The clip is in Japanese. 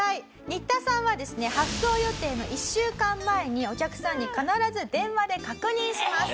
ニッタさんはですね発送予定の１週間前にお客さんに必ず電話で確認します。